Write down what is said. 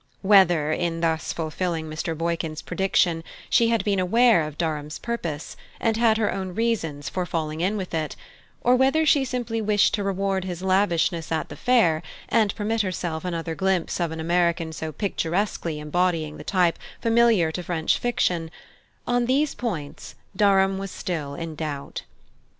Whether, in thus fulfilling Mr. Boykin's prediction, she had been aware of Durham's purpose, and had her own reasons for falling in with it; or whether she simply wished to reward his lavishness at the fair, and permit herself another glimpse of an American so picturesquely embodying the type familiar to French fiction on these points Durham was still in doubt.